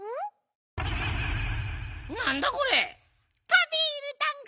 カビールだんご。